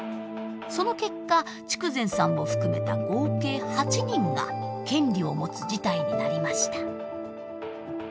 その結果筑前さんを含めた合計８人が権利を持つ事態になりました。